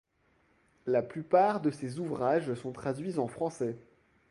La plupart de ses ouvrages sont traduits en français.